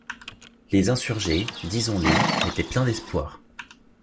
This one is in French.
Les insurgés, disons-le, étaient pleins d’espoir.